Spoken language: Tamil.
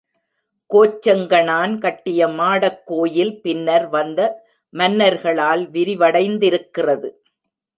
கோச்செங்கணான் கட்டிய மாடக்கோயில் பின்னர் வந்த மன்னர்களால் விரிவடைந்திருக்கிறது.